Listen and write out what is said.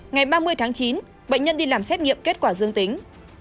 ngày ba mươi tháng chín bệnh nhân đi làm xét nghiệm kết quả dương tính